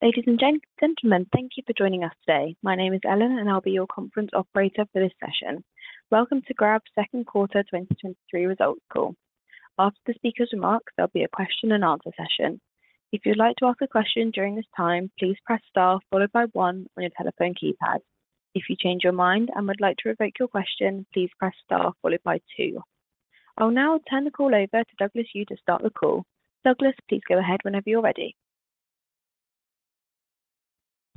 Ladies and gentlemen, thank you for joining us today. My name is Ellen, and I'll be your conference operator for this session. Welcome to Grab's second quarter 2023 results call. After the speaker's remarks, there'll be a question and answer session. If you'd like to ask a question during this time, please press Star followed by one on your telephone keypad. If you change your mind and would like to revoke your question, please press Star followed by two. I'll now turn the call over to Douglas Eu to start the call. Douglas, please go ahead whenever you're ready.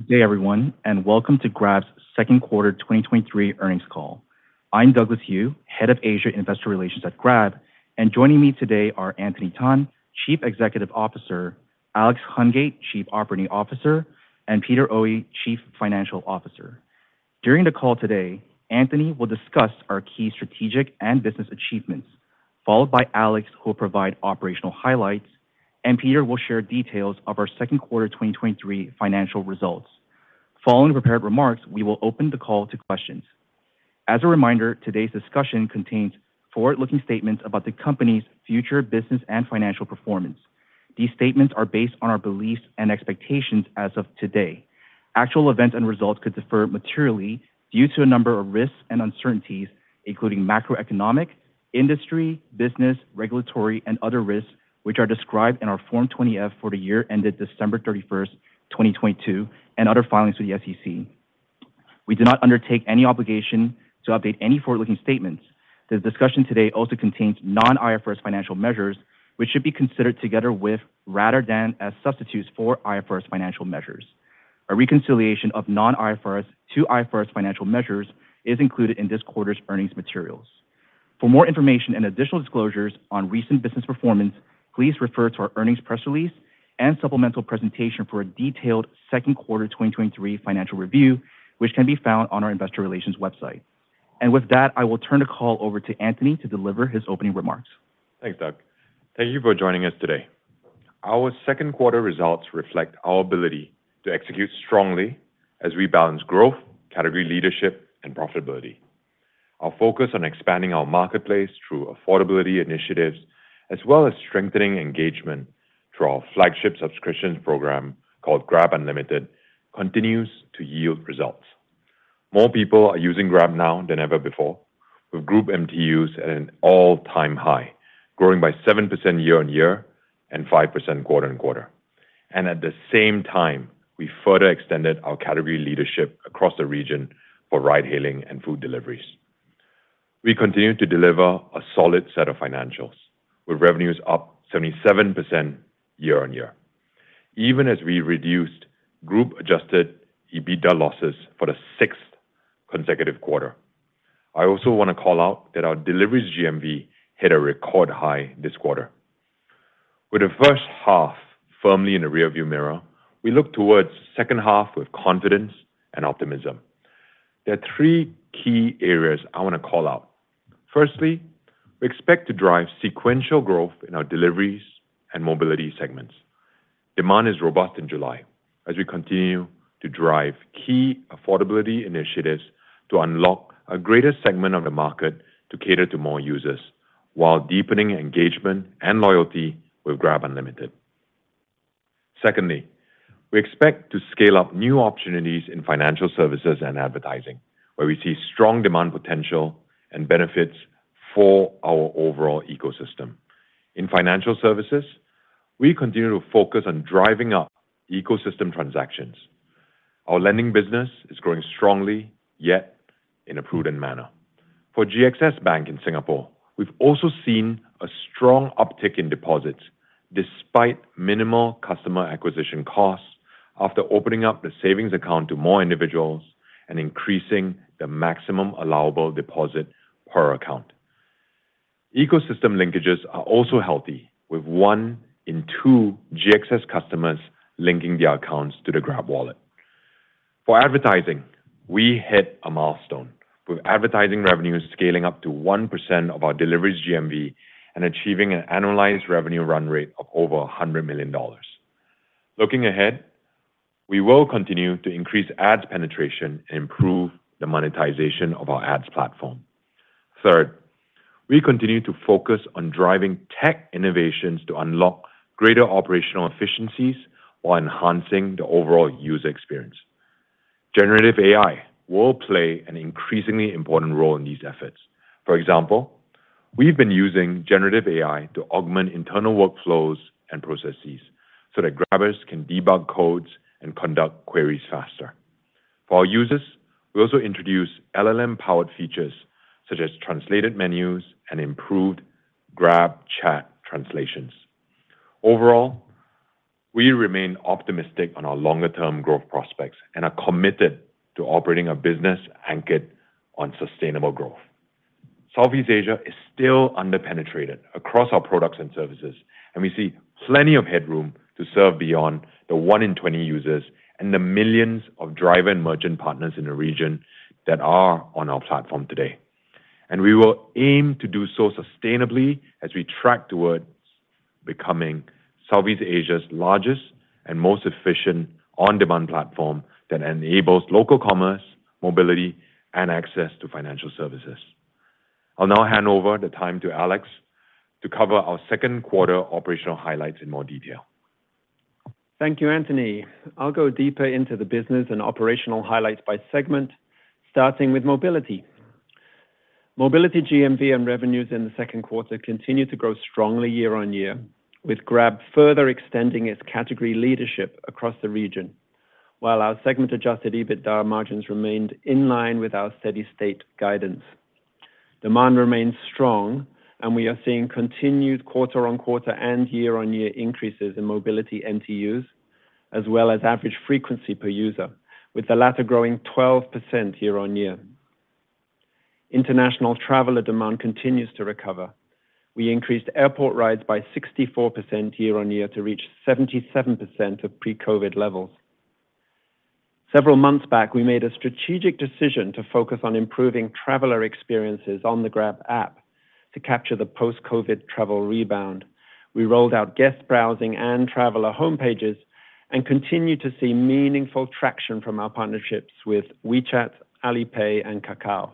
Good day, everyone, welcome to Grab's second quarter 2023 earnings call. I'm Douglas Eu, Head of Asia Investor Relations at Grab, and joining me today are Anthony Tan, Chief Executive Officer, Alex Hungate, Chief Operating Officer, and Peter Oey, Chief Financial Officer. During the call today, Anthony will discuss our key strategic and business achievements, followed by Alex, who will provide operational highlights, and Peter will share details of our second quarter 2023 financial results. Following prepared remarks, we will open the call to questions. As a reminder, today's discussion contains forward-looking statements about the company's future business and financial performance. These statements are based on our beliefs and expectations as of today. Actual events and results could differ materially due to a number of risks and uncertainties, including macroeconomic, industry, business, regulatory, and other risks, which are described in our Form 20-F for the year ended December 31st, 2022, and other filings with the SEC. We do not undertake any obligation to update any forward-looking statements. The discussion today also contains non-IFRS financial measures, which should be considered together with, rather than as substitutes for, IFRS financial measures. A reconciliation of non-IFRS to IFRS financial measures is included in this quarter's earnings materials. For more information and additional disclosures on recent business performance, please refer to our earnings press release and supplemental presentation for a detailed 2Q 2023 financial review, which can be found on our investor relations website. With that, I will turn the call over to Anthony to deliver his opening remarks. Thanks, Doug. Thank you for joining us today. Our second quarter results reflect our ability to execute strongly as we balance growth, category leadership, and profitability. Our focus on expanding our marketplace through affordability initiatives, as well as strengthening engagement through our flagship subscription program, called GrabUnlimited, continues to yield results. More people are using Grab now than ever before, with group MTUs at an all-time high, growing by 7% year-over-year and 5% quarter-over-quarter. At the same time, we further extended our category leadership across the region for ride hailing and food deliveries. We continued to deliver a solid set of financials, with revenues up 77% year-over-year, even as we reduced group-adjusted EBITDA losses for the sixth consecutive quarter. I also want to call out that our deliveries GMV hit a record high this quarter. With the first half firmly in the rearview mirror, we look towards second half with confidence and optimism. There are three key areas I want to call out. Firstly, we expect to drive sequential growth in our deliveries and mobility segments. Demand is robust in July, as we continue to drive key affordability initiatives to unlock a greater segment of the market to cater to more users, while deepening engagement and loyalty with Grab Unlimited. Secondly, we expect to scale up new opportunities in financial services and advertising, where we see strong demand potential and benefits for our overall ecosystem. In financial services, we continue to focus on driving up ecosystem transactions. Our lending business is growing strongly, yet in a prudent manner. For GXS Bank in Singapore, we've also seen a strong uptick in deposits despite minimal customer acquisition costs after opening up the savings account to more individuals and increasing the maximum allowable deposit per account. Ecosystem linkages are also healthy, with 1 in 2 GXS customers linking their accounts to the GrabPay Wallet. For advertising, we hit a milestone, with advertising revenues scaling up to 1% of our deliveries GMV and achieving an annualized revenue run rate of over $100 million. Looking ahead, we will continue to increase ads penetration and improve the monetization of our ads platform. Third, we continue to focus on driving tech innovations to unlock greater operational efficiencies while enhancing the overall user experience. Generative AI will play an increasingly important role in these efforts. For example, we've been using generative AI to augment internal workflows and processes so that Grabbers can debug codes and conduct queries faster. For our users, we also introduce LLM-powered features, such as translated menus and improved GrabChat translations. Overall, we remain optimistic on our longer-term growth prospects and are committed to operating a business anchored on sustainable growth. Southeast Asia is still under-penetrated across our products and services, and we see plenty of headroom to serve beyond the 1 in 20 users and the millions of driver and merchant partners in the region that are on our platform today. We will aim to do so sustainably as we track towards becoming Southeast Asia's largest and most efficient on-demand platform that enables local commerce, mobility, and access to financial services.... I'll now hand over the time to Alex to cover our second quarter operational highlights in more detail. Thank you, Anthony. I'll go deeper into the business and operational highlights by segment, starting with Mobility. Mobility GMV and revenues in the second quarter continued to grow strongly year-on-year, with Grab further extending its category leadership across the region, while our segment adjusted EBITDA margins remained in line with our steady state guidance. Demand remains strong, we are seeing continued quarter-on-quarter and year-on-year increases in Mobility NTUs, as well as average frequency per user, with the latter growing 12% year-on-year. International traveler demand continues to recover. We increased airport rides by 64% year-on-year to reach 77% of pre-COVID levels. Several months back, we made a strategic decision to focus on improving traveler experiences on the Grab app to capture the post-COVID travel rebound. We rolled out guest browsing and traveler homepages and continue to see meaningful traction from our partnerships with WeChat, Alipay, and Kakao.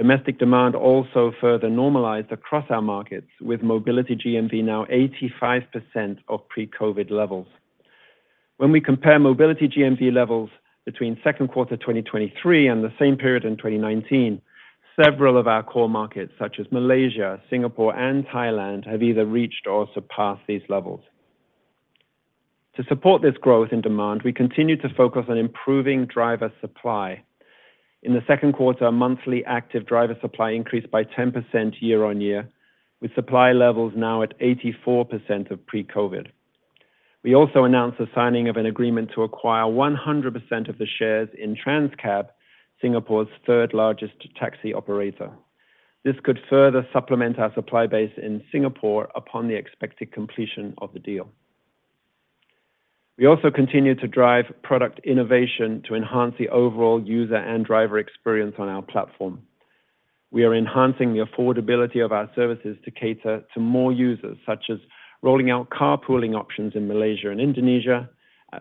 Domestic demand also further normalized across our markets, with Mobility GMV now 85% of pre-COVID levels. When we compare Mobility GMV levels between second quarter 2023 and the same period in 2019, several of our core markets, such as Malaysia, Singapore, and Thailand, have either reached or surpassed these levels. To support this growth in demand, we continue to focus on improving driver supply. In the second quarter, our monthly active driver supply increased by 10% year-on-year, with supply levels now at 84% of pre-COVID. We also announced the signing of an agreement to acquire 100% of the shares in Trans-cab, Singapore's third-largest taxi operator. This could further supplement our supply base in Singapore upon the expected completion of the deal. We also continue to drive product innovation to enhance the overall user and driver experience on our platform. We are enhancing the affordability of our services to cater to more users, such as rolling out carpooling options in Malaysia and Indonesia,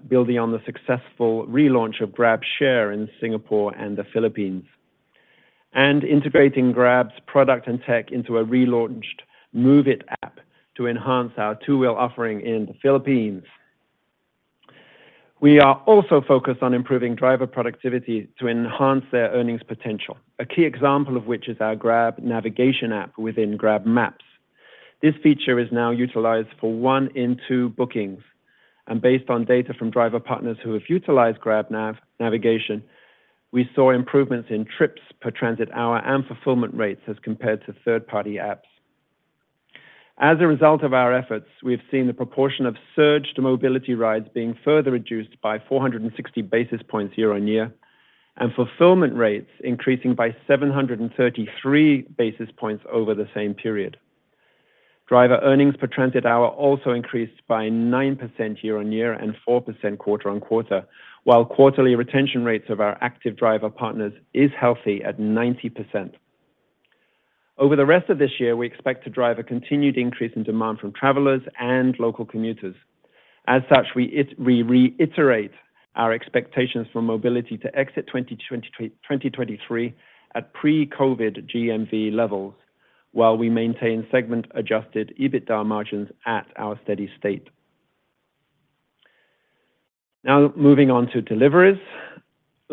building on the successful relaunch of GrabShare in Singapore and the Philippines, and integrating Grab's product and tech into a relaunched Move It app to enhance our two-wheel offering in the Philippines. We are also focused on improving driver productivity to enhance their earnings potential. A key example of which is our Grab navigation app within GrabMaps. This feature is now utilized for one in two bookings, and based on data from driver partners who have utilized Grab Navigation, we saw improvements in trips per transit hour and fulfillment rates as compared to third-party apps. As a result of our efforts, we have seen the proportion of surge to Mobility rides being further reduced by 460 basis points year-on-year, and fulfillment rates increasing by 733 basis points over the same period. Driver earnings per transit hour also increased by 9% year-on-year and 4% quarter-on-quarter, while quarterly retention rates of our active driver partners is healthy at 90%. Over the rest of this year, we expect to drive a continued increase in demand from travelers and local commuters. As such, we reiterate our expectations for Mobility to exit 2023-2023 at pre-COVID GMV levels, while we maintain segment-adjusted EBITDA margins at our steady state. Now, moving on to Deliveries.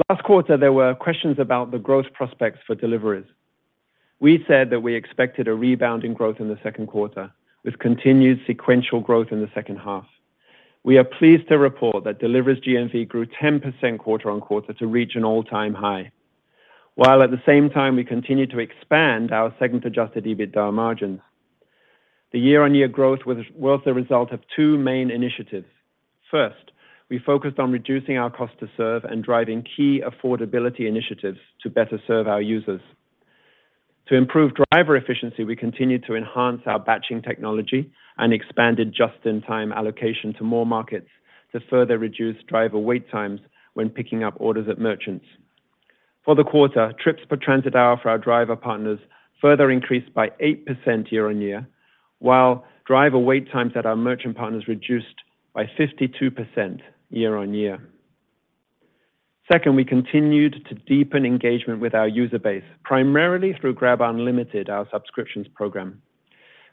Last quarter, there were questions about the growth prospects for Deliveries. We said that we expected a rebound in growth in the second quarter, with continued sequential growth in the second half. We are pleased to report that Deliveries GMV grew 10% quarter-on-quarter to reach an all-time high, while at the same time we continued to expand our segment-adjusted EBITDA margins. The year-on-year growth was the result of two main initiatives. First, we focused on reducing our cost to serve and driving key affordability initiatives to better serve our users. To improve driver efficiency, we continued to enhance our batching technology and expanded just-in-time allocation to more markets to further reduce driver wait times when picking up orders at merchants. For the quarter, trips per transit hour for our driver partners further increased by 8% year-on-year, while driver wait times at our merchant partners reduced by 52% year-on-year. Second, we continued to deepen engagement with our user base, primarily through Grab Unlimited, our subscriptions program.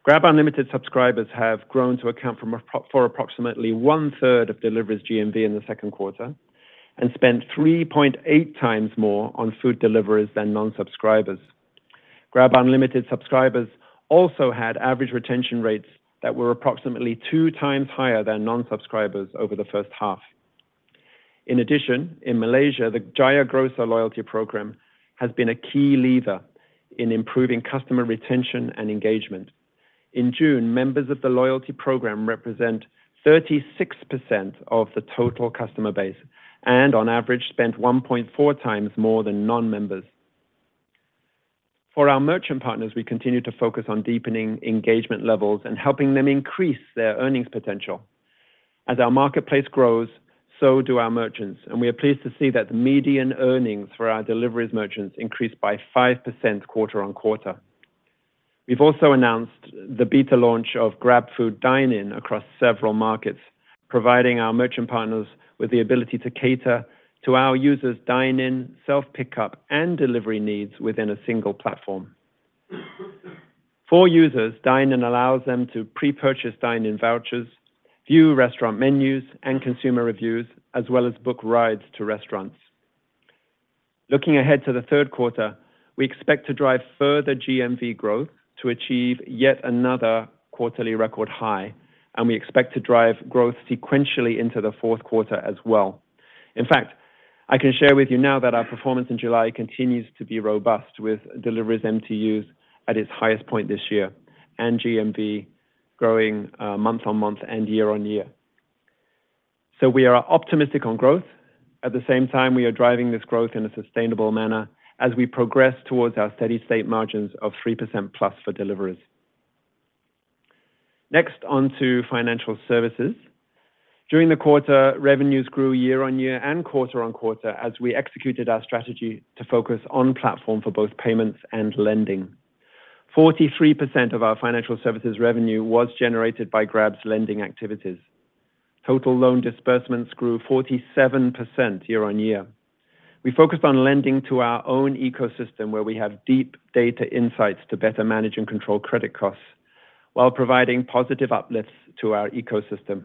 Grab Unlimited subscribers have grown to account for approximately 1/3 of Deliveries GMV in the second quarter and spent 3.8 times more on food deliveries than non-subscribers. Grab Unlimited subscribers also had average retention rates that were approximately 2 times higher than non-subscribers over the first half. In addition, in Malaysia, the Jaya Grocer loyalty program has been a key lever in improving customer retention and engagement. In June, members of the loyalty program represent 36% of the total customer base and, on average, spent 1.4 times more than non-members. For our merchant partners, we continue to focus on deepening engagement levels and helping them increase their earnings potential. As our marketplace grows, so do our merchants, and we are pleased to see that the median earnings for our deliveries merchants increased by 5% quarter-on-quarter.... We've also announced the beta launch of GrabFood Dine-In across several markets, providing our merchant partners with the ability to cater to our users' dine-in, self-pickup, and delivery needs within a single platform. For users, Dine-In allows them to pre-purchase dine-in vouchers, view restaurant menus and consumer reviews, as well as book rides to restaurants. Looking ahead to the third quarter, we expect to drive further GMV growth to achieve yet another quarterly record high, and we expect to drive growth sequentially into the fourth quarter as well. In fact, I can share with you now that our performance in July continues to be robust, with deliveries MTUs at its highest point this year and GMV growing month-on-month and year-on-year. We are optimistic on growth. At the same time, we are driving this growth in a sustainable manner as we progress towards our steady-state margins of 3%+ for deliveries. On to financial services. During the quarter, revenues grew year-on-year and quarter-on-quarter as we executed our strategy to focus on platform for both payments and lending. 43% of our financial services revenue was generated by Grab's lending activities. Total loan disbursements grew 47% year-on-year. We focused on lending to our own ecosystem, where we have deep data insights to better manage and control credit costs while providing positive uplifts to our ecosystem.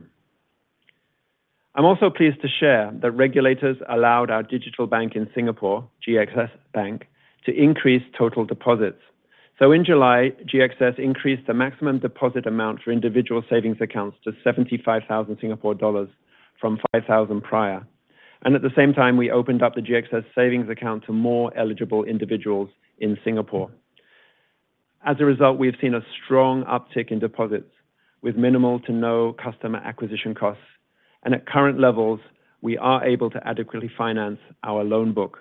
I'm also pleased to share that regulators allowed our digital bank in Singapore, GXS Bank, to increase total deposits. In July, GXS increased the maximum deposit amount for individual savings accounts to 75,000 Singapore dollars from 5,000 prior, and at the same time, we opened up the GXS savings account to more eligible individuals in Singapore. As a result, we've seen a strong uptick in deposits with minimal to no customer acquisition costs, and at current levels, we are able to adequately finance our loan book.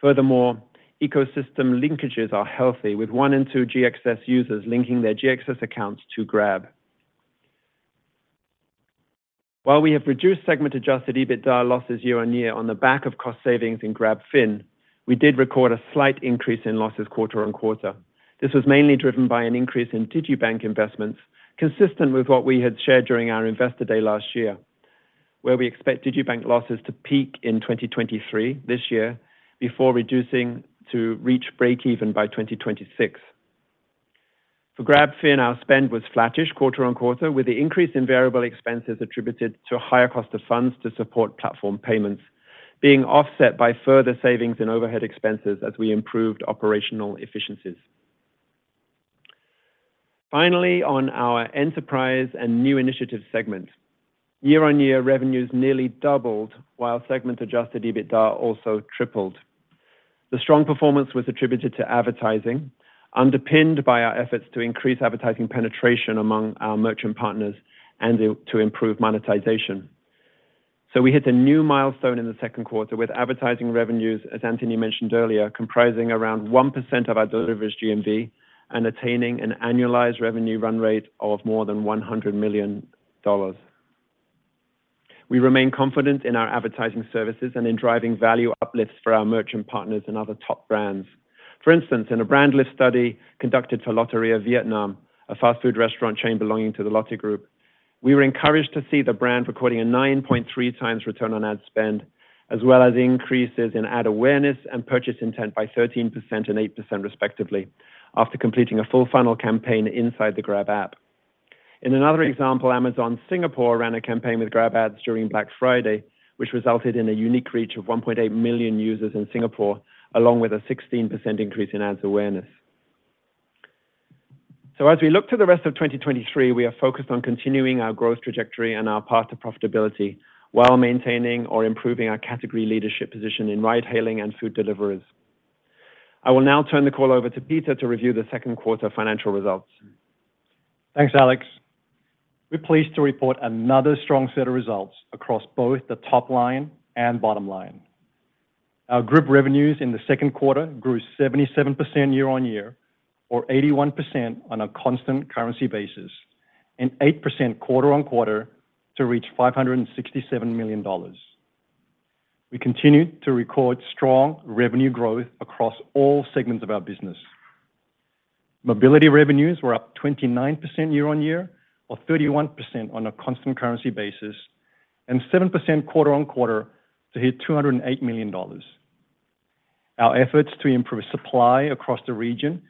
Furthermore, ecosystem linkages are healthy, with 1 in 2 GXS users linking their GXS accounts to Grab. While we have reduced segment-adjusted EBITDA losses year on year on the back of cost savings in GrabFin, we did record a slight increase in losses quarter on quarter. This was mainly driven by an increase in Digibank investments, consistent with what we had shared during our Investor Day last year, where we expect Digibank losses to peak in 2023, this year, before reducing to reach breakeven by 2026. For GrabFin, our spend was flattish quarter-on-quarter, with the increase in variable expenses attributed to a higher cost of funds to support platform payments, being offset by further savings in overhead expenses as we improved operational efficiencies. On our enterprise and new initiatives segment. Year-on-year, revenues nearly doubled, while segment-adjusted EBITDA also tripled. The strong performance was attributed to advertising, underpinned by our efforts to increase advertising penetration among our merchant partners and to improve monetization. We hit a new milestone in the second quarter with advertising revenues, as Anthony mentioned earlier, comprising around 1% of our deliveries GMV and attaining an annualized revenue run rate of more than $100 million. We remain confident in our advertising services and in driving value uplifts for our merchant partners and other top brands. For instance, in a brand lift study conducted for Lotteria Vietnam, a fast food restaurant chain belonging to the Lotte Group, we were encouraged to see the brand recording a 9.3x return on ad spend, as well as increases in ad awareness and purchase intent by 13% and 8% respectively, after completing a full funnel campaign inside the Grab app. In another example, Amazon Singapore ran a campaign with GrabAds during Black Friday, which resulted in a unique reach of 1.8 million users in Singapore, along with a 16% increase in ads awareness. As we look to the rest of 2023, we are focused on continuing our growth trajectory and our path to profitability while maintaining or improving our category leadership position in ride hailing and food deliveries. I will now turn the call over to Peter to review the second quarter financial results. Thanks, Alex. We're pleased to report another strong set of results across both the top line and bottom line. Our group revenues in the second quarter grew 77% year-over-year or 81% on a constant currency basis, and 8% quarter-over-quarter to reach $567 million. We continued to record strong revenue growth across all segments of our business. Mobility revenues were up 29% year-over-year or 31% on a constant currency basis, and 7% quarter-over-quarter to hit $208 million. Our efforts to improve supply across the region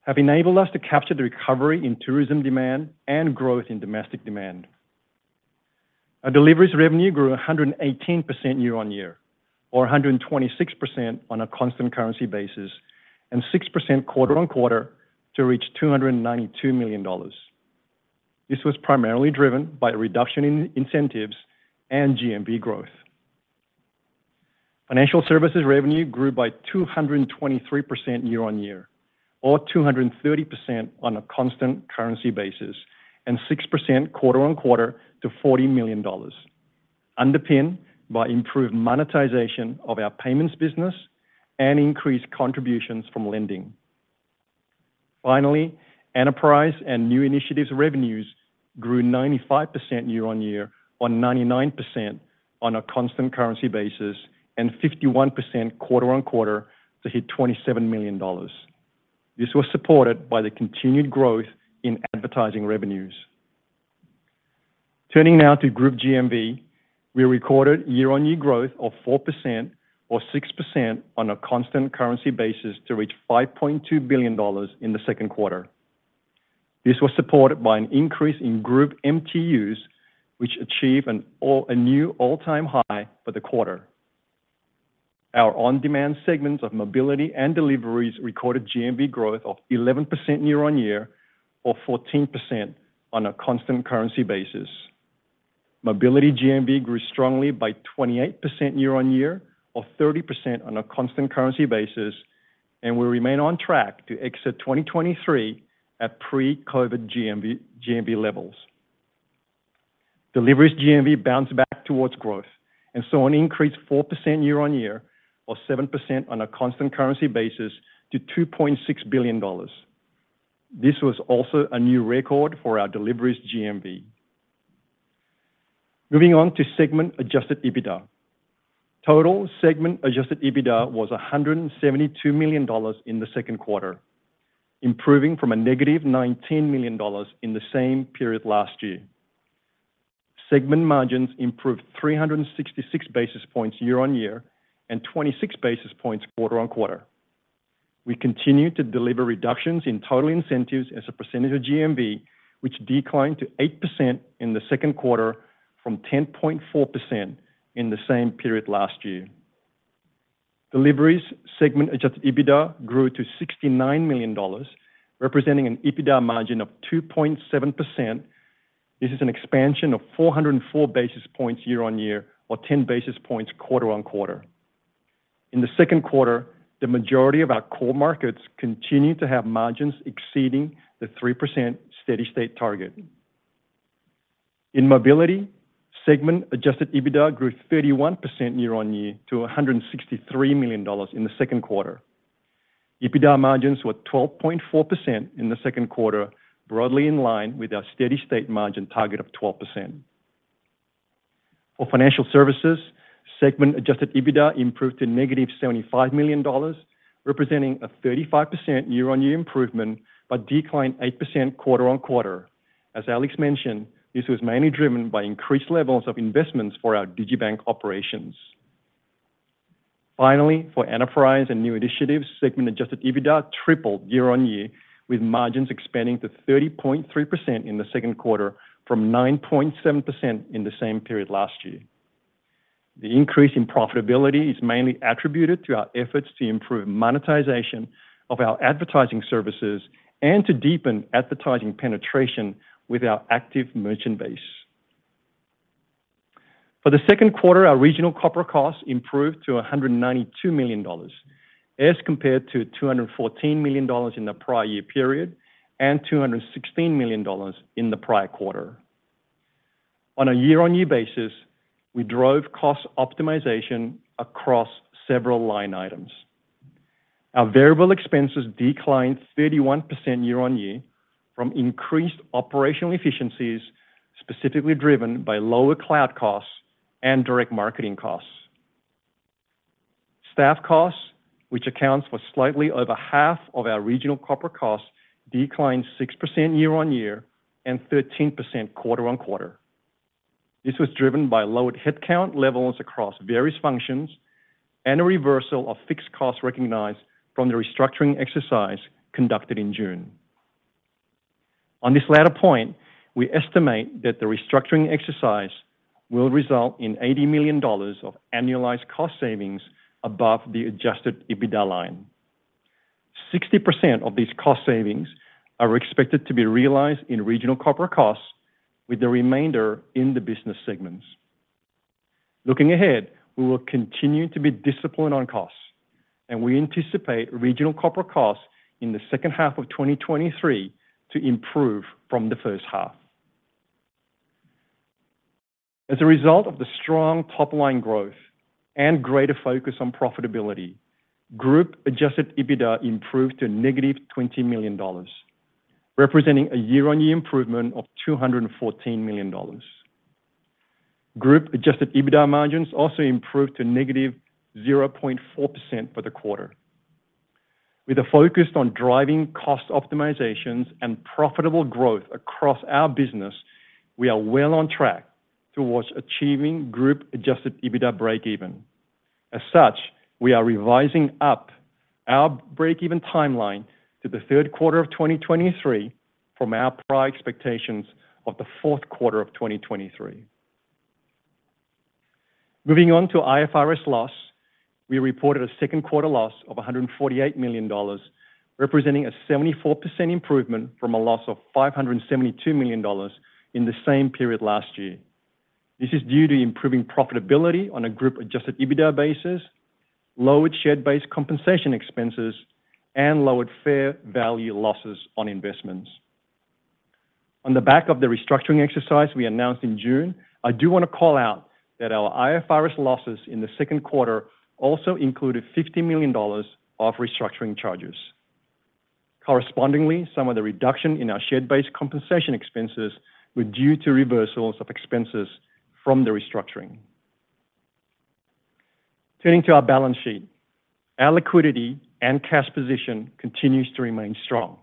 have enabled us to capture the recovery in tourism demand and growth in domestic demand. Our deliveries revenue grew 118% year-on-year or 126% on a constant currency basis, and 6% quarter-on-quarter to reach $292 million. This was primarily driven by a reduction in incentives and GMV growth. Financial services revenue grew by 223% year-on-year or 230% on a constant currency basis, and 6% quarter-on-quarter to $40 million, underpinned by improved monetization of our payments business and increased contributions from lending. Finally, enterprise and new initiatives revenues grew 95% year-on-year, or 99% on a constant currency basis, and 51% quarter-on-quarter to hit $27 million. This was supported by the continued growth in advertising revenues. Turning now to group GMV, we recorded year-on-year growth of 4% or 6% on a constant currency basis to reach $5.2 billion in the second quarter. This was supported by an increase in group MTUs, which achieved a new all-time high for the quarter. Our on-demand segments of mobility and deliveries recorded GMV growth of 11% year-on-year, or 14% on a constant currency basis. Mobility GMV grew strongly by 28% year-on-year, or 30% on a constant currency basis, and we remain on track to exit 2023 at pre-COVID GMV, GMV levels. Deliveries GMV bounced back towards growth and saw an increase of 4% year-on-year, or 7% on a constant currency basis, to $2.6 billion. This was also a new record for our deliveries GMV. Moving on to segment adjusted EBITDA. Total segment adjusted EBITDA was $172 million in the second quarter, improving from a negative $19 million in the same period last year. Segment margins improved 366 basis points year-on-year and 26 basis points quarter-on-quarter. We continued to deliver reductions in total incentives as a percentage of GMV, which declined to 8% in the second quarter from 10.4% in the same period last year. Deliveries segment adjusted EBITDA grew to $69 million, representing an EBITDA margin of 2.7%. This is an expansion of 404 basis points year-on-year or 10 basis points quarter-on-quarter. In the second quarter, the majority of our core markets continued to have margins exceeding the 3% steady-state target. In mobility, segment adjusted EBITDA grew 31% year-on-year to $163 million in the second quarter. EBITDA margins were 12.4% in the second quarter, broadly in line with our steady-state margin target of 12%. For financial services, segment adjusted EBITDA improved to -$75 million, representing a 35% year-on-year improvement, declined 8% quarter-on-quarter. As Alex mentioned, this was mainly driven by increased levels of investments for our Digibank operations. Finally, for enterprise and new initiatives, segment adjusted EBITDA tripled year-on-year, with margins expanding to 30.3% in the second quarter from 9.7% in the same period last year. The increase in profitability is mainly attributed to our efforts to improve monetization of our advertising services and to deepen advertising penetration with our active merchant base. For the second quarter, our regional corporate costs improved to $192 million, as compared to $214 million in the prior year period, and $216 million in the prior quarter. On a year-on-year basis, we drove cost optimization across several line items. Our variable expenses declined 31% year-on-year from increased operational efficiencies, specifically driven by lower cloud costs and direct marketing costs. Staff costs, which accounts for slightly over half of our regional corporate costs, declined 6% year-on-year and 13% quarter-on-quarter. This was driven by lowered headcount levels across various functions and a reversal of fixed costs recognized from the restructuring exercise conducted in June. On this latter point, we estimate that the restructuring exercise will result in $80 million of annualized cost savings above the adjusted EBITDA line. 60% of these cost savings are expected to be realized in regional corporate costs, with the remainder in the business segments. Looking ahead, we will continue to be disciplined on costs. We anticipate regional corporate costs in the second half of 2023 to improve from the first half. As a result of the strong top-line growth and greater focus on profitability, group-adjusted EBITDA improved to -$20 million, representing a year-on-year improvement of $214 million. Group-adjusted EBITDA margins also improved to -0.4% for the quarter. With a focus on driving cost optimizations and profitable growth across our business, we are well on track towards achieving group-adjusted EBITDA breakeven. We are revising up our breakeven timeline to the third quarter of 2023 from our prior expectations of the fourth quarter of 2023. Moving on to IFRS loss, we reported a second quarter loss of $148 million, representing a 74% improvement from a loss of $572 million in the same period last year. This is due to improving profitability on a group-adjusted EBITDA basis, lowered share-based compensation expenses, and lowered fair value losses on investments. On the back of the restructuring exercise we announced in June, I do want to call out that our IFRS losses in the second quarter also included $50 million of restructuring charges. Correspondingly, some of the reduction in our share-based compensation expenses were due to reversals of expenses from the restructuring. Turning to our balance sheet. Our liquidity and cash position continues to remain strong.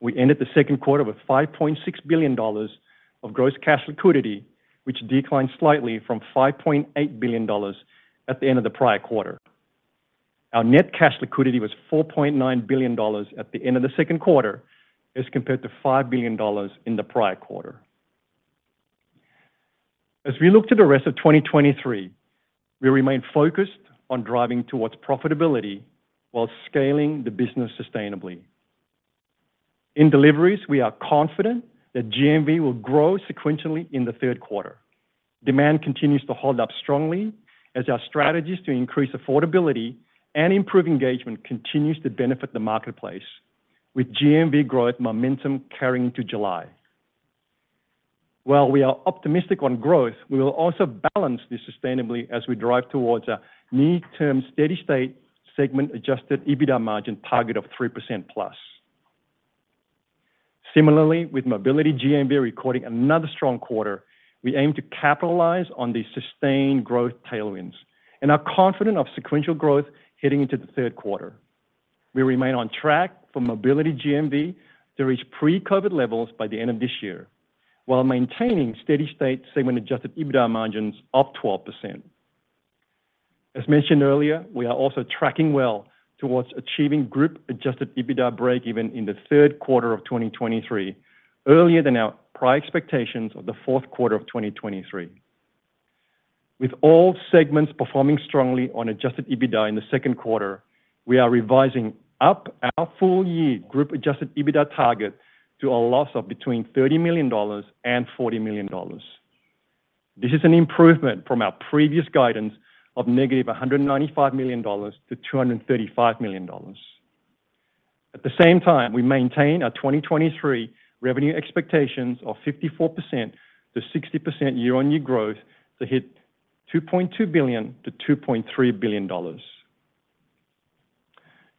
We ended the 2nd quarter with $5.6 billion of gross cash liquidity, which declined slightly from $5.8 billion at the end of the prior quarter. Our net cash liquidity was $4.9 billion at the end of the 2nd quarter, as compared to $5 billion in the prior quarter. As we look to the rest of 2023, we remain focused on driving towards profitability while scaling the business sustainably. In deliveries, we are confident that GMV will grow sequentially in the 3rd quarter. Demand continues to hold up strongly as our strategies to increase affordability and improve engagement continues to benefit the marketplace, with GMV growth momentum carrying to July. While we are optimistic on growth, we will also balance this sustainably as we drive towards a mid-term, steady-state segment-adjusted EBITDA margin target of 3%+. Similarly, with mobility GMV recording another strong quarter, we aim to capitalize on the sustained growth tailwinds and are confident of sequential growth heading into the third quarter. We remain on track for mobility GMV to reach pre-COVID levels by the end of this year, while maintaining steady-state segment-adjusted EBITDA margins of 12%. As mentioned earlier, we are also tracking well towards achieving group-adjusted EBITDA breakeven in the third quarter of 2023, earlier than our prior expectations of the fourth quarter of 2023. With all segments performing strongly on adjusted EBITDA in the second quarter, we are revising up our full-year group-adjusted EBITDA target to a loss of between $30 million and $40 million. This is an improvement from our previous guidance of negative $195 million to $235 million. At the same time, we maintain our 2023 revenue expectations of 54%-60% year-on-year growth to hit $2.2 billion-$2.3 billion.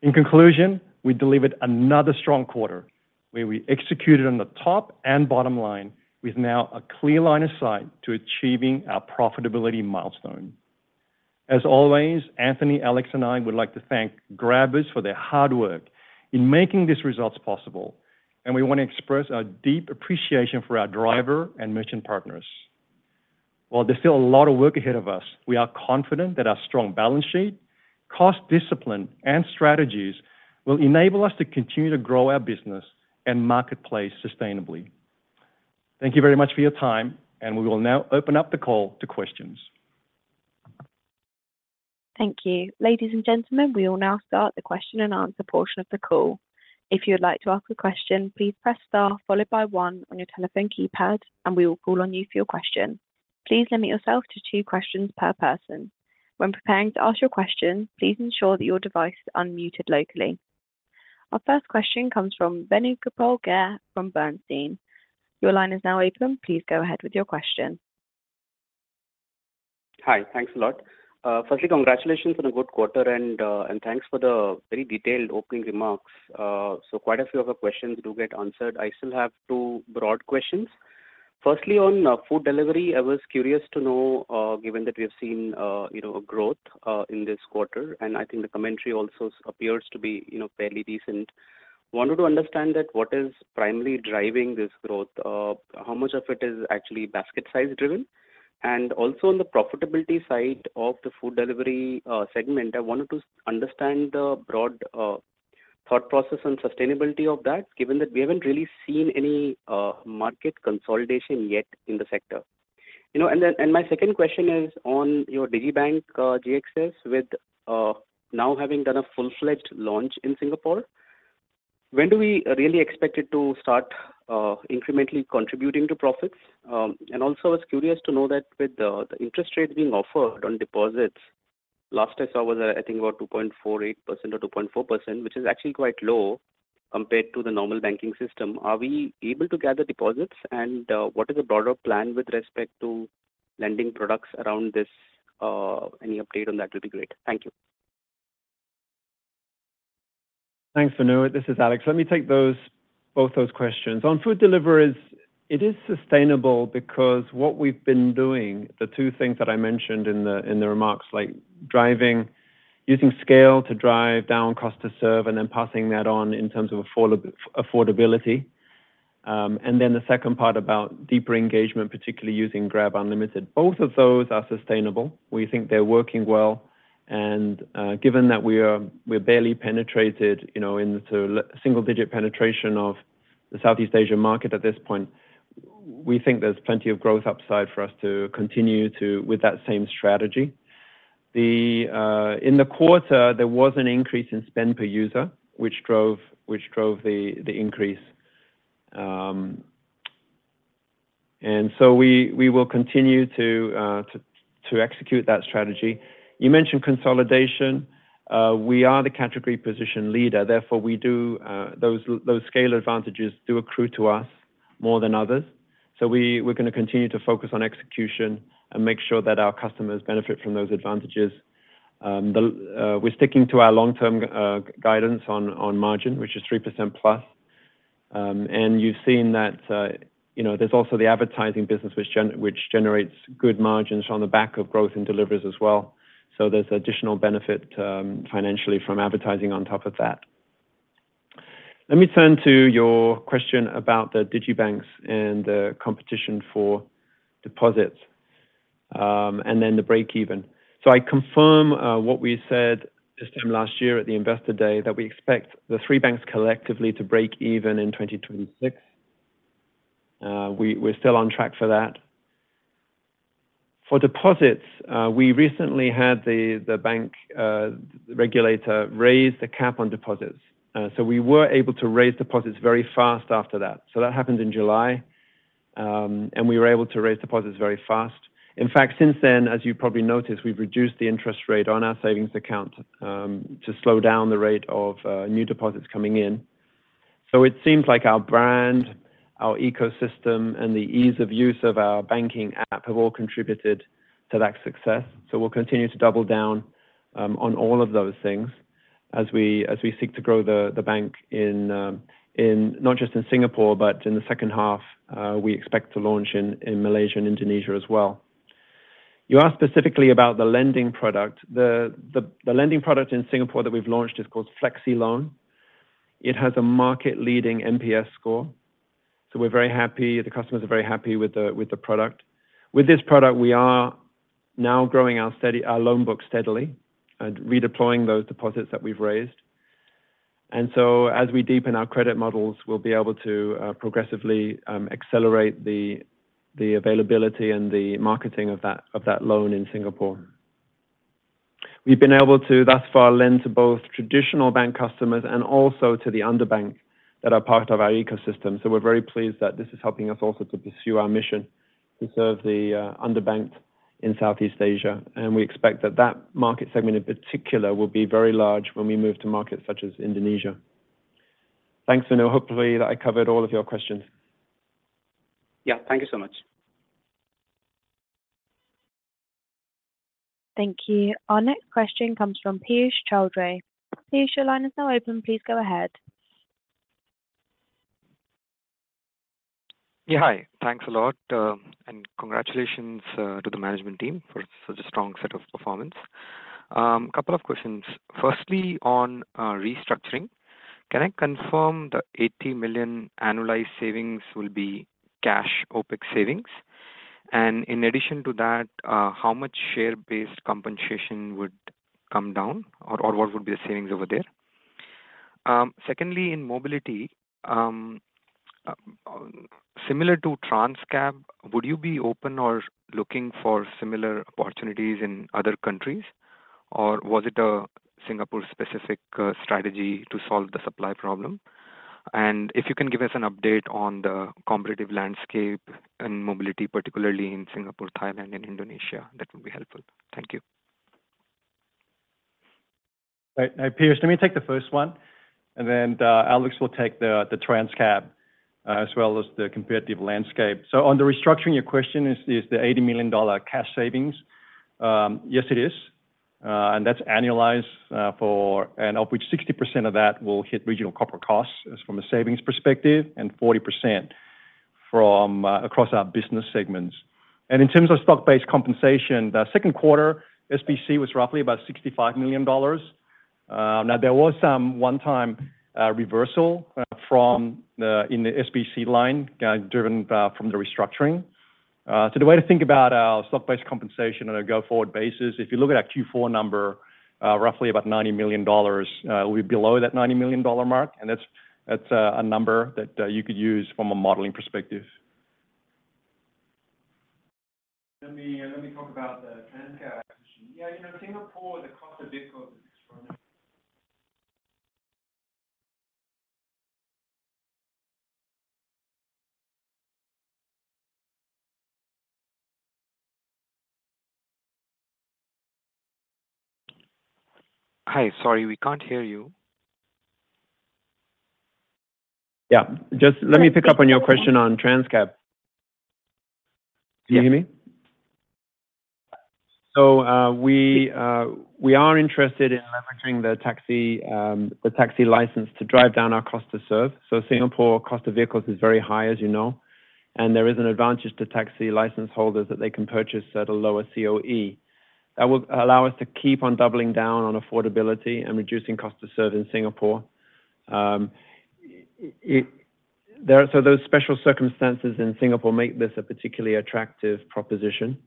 In conclusion, we delivered another strong quarter, where we executed on the top and bottom line with now a clear line of sight to achieving our profitability milestone. As always, Anthony, Alex, and I would like to thank Grabbers for their hard work in making these results possible, and we want to express our deep appreciation for our driver and merchant partners. While there's still a lot of work ahead of us, we are confident that our strong balance sheet, cost discipline, and strategies will enable us to continue to grow our business and marketplace sustainably. Thank you very much for your time, and we will now open up the call to questions. Thank you. Ladies and gentlemen, we will now start the question and answer portion of the call. If you would like to ask a question, please press star followed by one on your telephone keypad, and we will call on you for your question. Please limit yourself to two questions per person. When preparing to ask your question, please ensure that your device is unmuted locally. Our first question comes from Venugopal Garre from Bernstein. Your line is now open. Please go ahead with your question. Hi, thanks a lot. Firstly, congratulations on a good quarter and thanks for the very detailed opening remarks. Quite a few of the questions do get answered. I still have 2 broad questions. Firstly, on food delivery, I was curious to know, given that we have seen, you know, a growth in this quarter, I think the commentary also appears to be, you know, fairly decent. Wanted to understand that what is primarily driving this growth? How much of it is actually basket size driven? Also, on the profitability side of the food delivery segment, I wanted to understand the broad thought process and sustainability of that, given that we haven't really seen any market consolidation yet in the sector. You know, my second question is on your Digibank, GXS, with now having done a full-fledged launch in Singapore, when do we really expect it to start incrementally contributing to profits? Also, I was curious to know that with the, the interest rate being offered on deposits, last I saw was, I think about 2.48% or 2.4%, which is actually quite low compared to the normal banking system. Are we able to gather deposits? What is the broader plan with respect to lending products around this? Any update on that would be great. Thank you. Thanks, Venu. This is Alex. Let me take those, both those questions. On food deliveries, it is sustainable because what we've been doing, the two things that I mentioned in the remarks, like using scale to drive down cost to serve, and then passing that on in terms of affordability. Then the second part about deeper engagement, particularly using Grab Unlimited. Both of those are sustainable. We think they're working well, given that we are, we're barely penetrated, you know, into single digit penetration of the Southeast Asia market at this point, we think there's plenty of growth upside for us to continue to with that same strategy. The in the quarter, there was an increase in spend per user, which drove the, the increase, and so we, we will continue to execute that strategy. You mentioned consolidation. We are the category position leader, therefore, we do, those scale advantages do accrue to us more than others. We, we're going to continue to focus on execution and make sure that our customers benefit from those advantages. The, we're sticking to our long-term guidance on, on margin, which is 3% plus. You've seen that, you know, there's also the advertising business, which generates good margins on the back of growth in deliveries as well. There's additional benefit, financially from advertising on top of that. Let me turn to your question about the Digibanks and the competition for deposits, and then the break even. I confirm, what we said this time last year at the Investor Day, that we expect the three banks collectively to break even in 2026. We, we're still on track for that. For deposits, we recently had the bank regulator raise the cap on deposits, so we were able to raise deposits very fast after that. That happened in July, and we were able to raise deposits very fast. In fact, since then, as you probably noticed, we've reduced the interest rate on our savings account to slow down the rate of new deposits coming in. It seems like our brand, our ecosystem, and the ease of use of our banking app have all contributed to that success. We'll continue to double down on all of those things as we, as we seek to grow the bank not just in Singapore, but in the second half, we expect to launch in Malaysia and Indonesia as well. You asked specifically about the lending product. The lending product in Singapore that we've launched is called FlexiLoan. It has a market-leading NPS score, so we're very happy. The customers are very happy with the product. With this product, we are now growing our loan book steadily and redeploying those deposits that we've raised. So as we deepen our credit models, we'll be able to progressively accelerate the availability and the marketing of that loan in Singapore. We've been able to, thus far, lend to both traditional bank customers and also to the underbanked that are part of our ecosystem. We're very pleased that this is helping us also to pursue our mission to serve the underbanked in Southeast Asia, and we expect that that market segment, in particular, will be very large when we move to markets such as Indonesia. Thanks, Sunil. Hopefully, I covered all of your questions. Yeah. Thank you so much. Thank you. Our next question comes from Piyush Choudhary. Piyush, your line is now open. Please go ahead. Yeah, hi. Thanks a lot, and congratulations to the management team for such a strong set of performance. Couple of questions. Firstly, on restructuring, can I confirm the $80 million annualized savings will be cash OPEX savings? In addition to that, how much share-based compensation would come down or, or what would be the savings over there? Secondly, in mobility, similar to Trans-cab, would you be open or looking for similar opportunities in other countries, or was it a Singapore-specific strategy to solve the supply problem? If you can give us an update on the competitive landscape and mobility, particularly in Singapore, Thailand, and Indonesia, that would be helpful. Thank you. Right. Now, Piyush, let me take the first one, and then Alex will take the Trans-cab as well as the competitive landscape. On the restructuring, your question is, is the $80 million cash savings? Yes, it is. And that's annualized, of which 60% of that will hit regional corporate costs as from a savings perspective, and 40% from across our business segments. And in terms of stock-based compensation, the second quarter SBC was roughly about $65 million. Now, there was some one-time reversal from the SBC line driven from the restructuring. So the way to think about our stock-based compensation on a go-forward basis, if you look at our Q4 number, roughly about $90 million, we're below that $90 million mark, and that's, that's a number that you could use from a modeling perspective. Let me, let me talk about the Trans-cab acquisition. Yeah, you know, Singapore, the cost of vehicles is extraordinary. Hi, sorry, we can't hear you. Yeah, just let me pick up on your question on Trans-cab. Can you hear me? Yeah. We, we are interested in leveraging the taxi, the taxi license to drive down our cost to serve. Singapore, cost of vehicles is very high, as you know, and there is an advantage to taxi license holders that they can purchase at a lower COE. That will allow us to keep on doubling down on affordability and reducing cost to serve in Singapore. Those special circumstances in Singapore make this a particularly attractive proposition.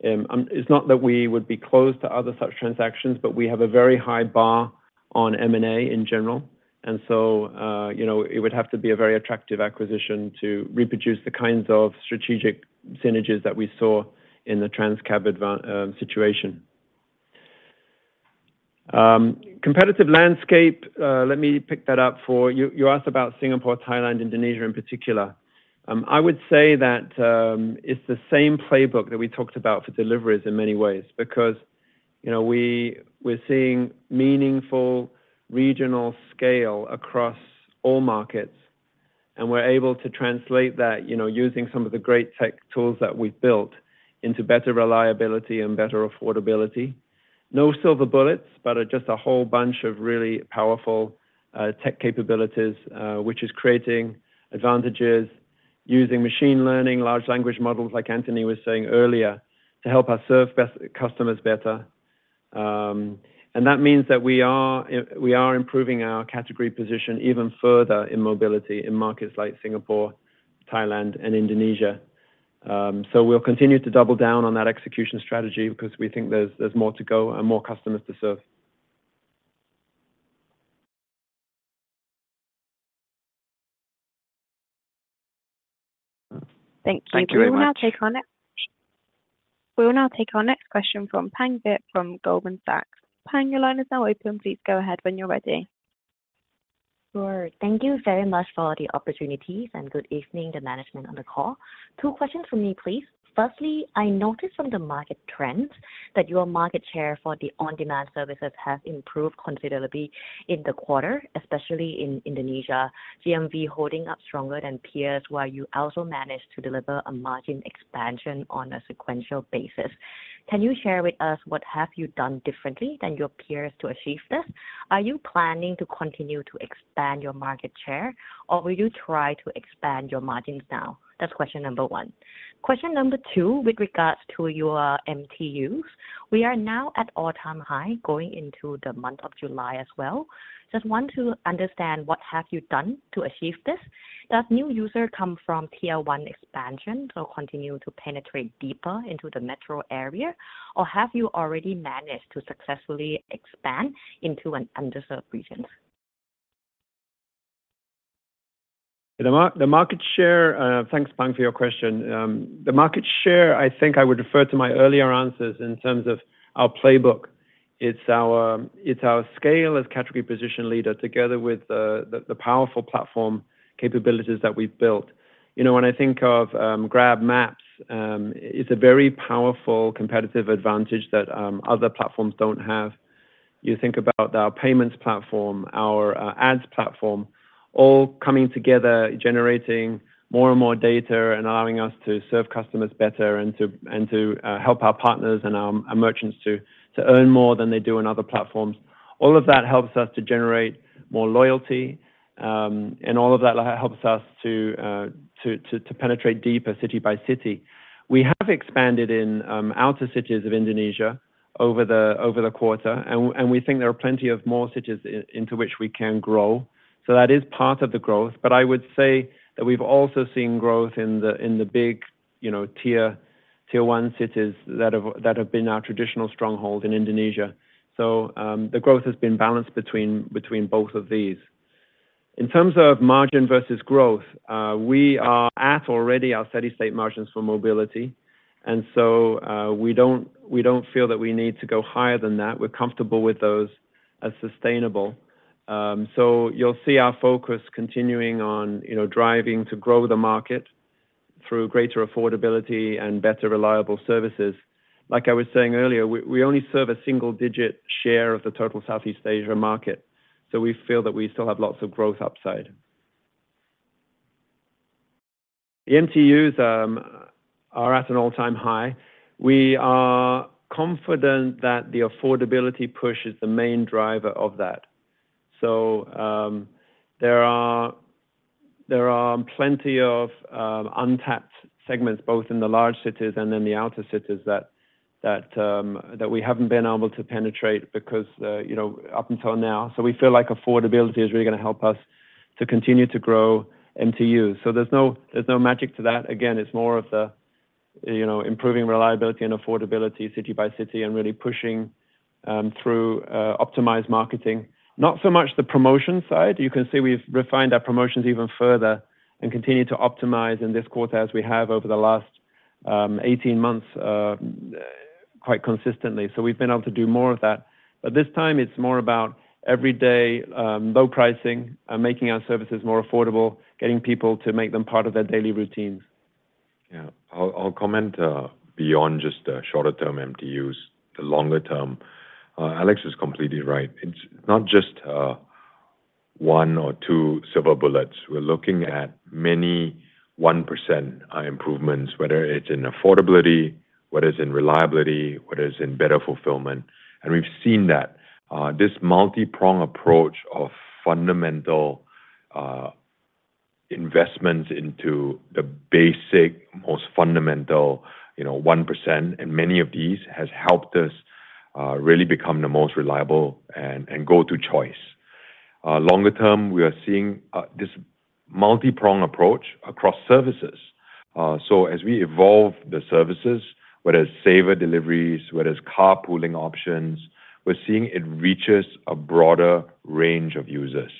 It's not that we would be closed to other such transactions, but we have a very high bar on M&A in general. You know, it would have to be a very attractive acquisition to reproduce the kinds of strategic synergies that we saw in the Trans-cab situation. Competitive landscape, let me pick that up for you. You asked about Singapore, Thailand, Indonesia in particular. I would say that it's the same playbook that we talked about for deliveries in many ways, because. You know, we're seeing meaningful regional scale across all markets, and we're able to translate that, you know, using some of the great tech tools that we've built into better reliability and better affordability. No silver bullets, but just a whole bunch of really powerful tech capabilities, which is creating advantages using machine learning, large language models, like Anthony was saying earlier, to help us serve customers better. That means that we are improving our category position even further in mobility in markets like Singapore, Thailand, and Indonesia. We'll continue to double down on that execution strategy because we think there's, there's more to go and more customers to serve. Thank you. Thank you very much. We will now take our next question from Pang Vittayaamnuaykoon from Goldman Sachs. Pang, your line is now open. Please go ahead when you're ready. Sure. Thank you very much for the opportunity, good evening, the management on the call. Two questions from me, please. Firstly, I noticed from the market trends that your market share for the on-demand services has improved considerably in the quarter, especially in Indonesia, GMV holding up stronger than peers, while you also managed to deliver a margin expansion on a sequential basis. Can you share with us what have you done differently than your peers to achieve this? Are you planning to continue to expand your market share, or will you try to expand your margins now? That's question number one. Question number two, with regards to your MTUs, we are now at all-time high going into the month of July as well. Just want to understand, what have you done to achieve this? Does new user come from tier one expansion or continue to penetrate deeper into the metro area, or have you already managed to successfully expand into an underserved region? The market share, Thanks, Pang, for your question. The market share, I think I would refer to my earlier answers in terms of our playbook. It's our, it's our scale as category position leader, together with the, the, the powerful platform capabilities that we've built. You know, when I think of Grab Maps, it's a very powerful competitive advantage that other platforms don't have. You think about our payments platform, our ads platform, all coming together, generating more and more data and allowing us to serve customers better and to, and to help our partners and our merchants to, to earn more than they do on other platforms. All of that helps us to generate more loyalty, and all of that helps us to, to, to, to penetrate deeper city by city. We have expanded in outer cities of Indonesia over the, over the quarter, and we think there are plenty of more cities into which we can grow, so that is part of the growth. I would say that we've also seen growth in the, in the big, you know, tier, tier one cities that have, that have been our traditional stronghold in Indonesia. The growth has been balanced between, between both of these. In terms of margin versus growth, we are at already our steady-state margins for mobility, and so, we don't, we don't feel that we need to go higher than that. We're comfortable with those as sustainable. You'll see our focus continuing on, you know, driving to grow the market through greater affordability and better reliable services. Like I was saying earlier, we, we only serve a single-digit share of the total Southeast Asia market, we feel that we still have lots of growth upside. The MTUs are at an all-time high. We are confident that the affordability push is the main driver of that. There are, there are plenty of untapped segments, both in the large cities and in the outer cities, that, that, that we haven't been able to penetrate because, you know, up until now. We feel like affordability is really gonna help us to continue to grow MTUs. There's no, there's no magic to that. Again, it's more of the, you know, improving reliability and affordability city by city and really pushing through optimized marketing. Not so much the promotion side. You can see we've refined our promotions even further and continued to optimize in this quarter, as we have over the last, 18 months, quite consistently. We've been able to do more of that. This time it's more about everyday, low pricing and making our services more affordable, getting people to make them part of their daily routines. Yeah. I'll, I'll comment beyond just the shorter term MTUs, the longer term. Alex is completely right. It's not just one or two silver bullets. We're looking at many one% improvements, whether it's in affordability, whether it's in reliability, whether it's in better fulfillment. And we've seen that this multipronged approach of fundamental investments into the basic, most fundamental, you know, one%, and many of these, has helped us really become the most reliable and, and go-to choice. Longer term, we are seeing this multipronged approach across services. As we evolve the services, whether it's saver deliveries, whether it's carpooling options, we're seeing it reaches a broader range of users.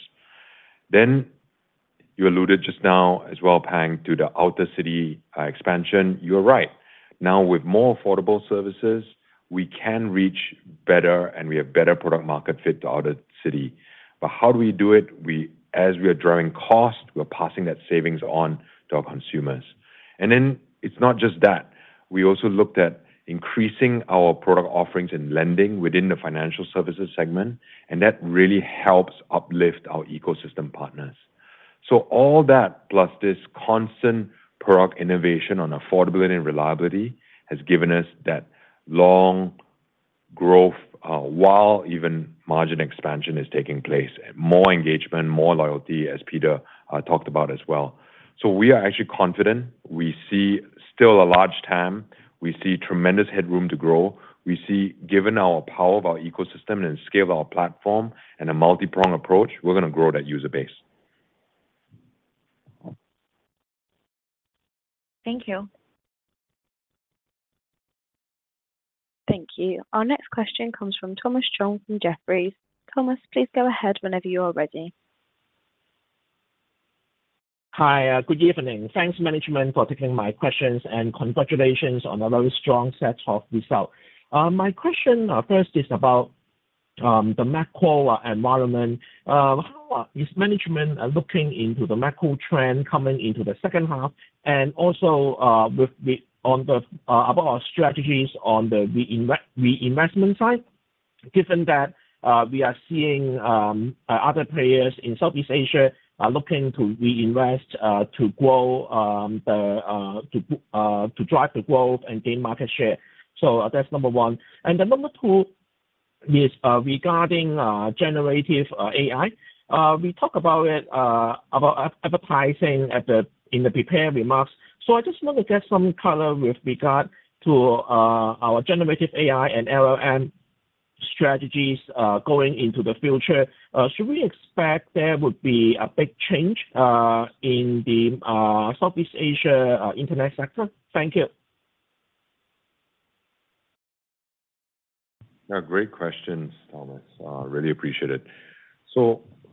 You alluded just now as well, Pang, to the outer city, expansion. You're right. With more affordable services, we can reach better, and we have better product market fit to outer city. How do we do it? As we are driving cost, we're passing that savings on to our consumers. It's not just that. We also looked at increasing our product offerings and lending within the financial services segment, and that really helps uplift our ecosystem partners. All that, plus this constant product innovation on affordability and reliability, has given us that long growth while even margin expansion is taking place, and more engagement, more loyalty, as Peter Oey talked about as well. We are actually confident. We see still a large TAM. We see tremendous headroom to grow. We see, given our power of our ecosystem and scale of our platform and a multipronged approach, we're gonna grow that user base. Thank you. Thank you. Our next question comes from Thomas Chong from Jefferies. Thomas, please go ahead whenever you are ready. Hi. Good evening. Thanks, management, for taking my questions, and congratulations on another strong set of results. My question first is about the macro environment. How is management looking into the macro trend coming into the second half? And also, about our strategies on the reinvestment side, given that we are seeing other players in Southeast Asia are looking to reinvest to grow to drive the growth and gain market share. So that's number one. And then number two is regarding generative AI. We talk about it about advertising at the, in the prepared remarks, so I just want to get some color with regard to our generative AI and LLM strategies going into the future. Should we expect there would be a big change in the Southeast Asia internet sector? Thank you. Yeah, great questions, Thomas. Really appreciate it.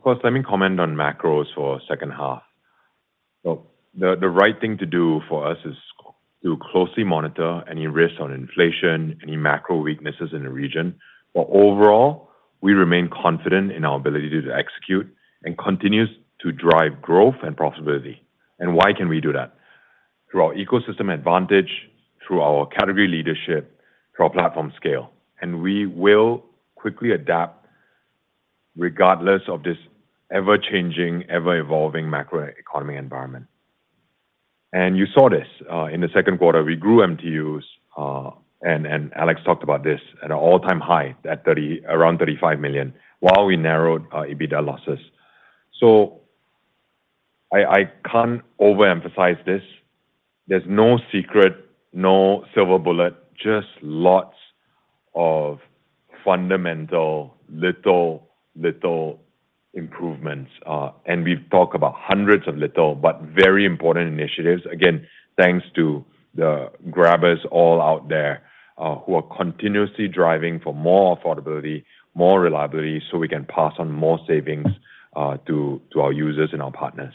First, let me comment on macros for second half. The right thing to do for us is to closely monitor any risks on inflation, any macro weaknesses in the region. Overall, we remain confident in our ability to execute and continues to drive growth and profitability. Why can we do that? Through our ecosystem advantage, through our category leadership, through our platform scale, and we will quickly adapt regardless of this ever-changing, ever-evolving macroeconomy environment. You saw this in the second quarter. We grew MTUs, and Alex talked about this, at an all-time high, at 30, around 35 million, while we narrowed our EBITDA losses. I can't overemphasize this. There's no secret, no silver bullet, just lots of fundamental, little improvements. We've talked about hundreds of little but very important initiatives. Again, thanks to the Grabbers all out there, who are continuously driving for more affordability, more reliability, so we can pass on more savings, to, to our users and our partners.